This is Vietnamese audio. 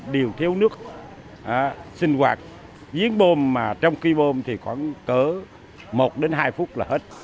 bốn mươi năm đều thiếu nước sinh hoạt diễn bơm mà trong khi bơm thì khoảng cỡ một đến hai phút là hết